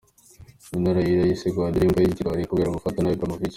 Mino Raiola yise Guardiola imbwa n’ikigwari kubera gufata nabi Ibrahimovic.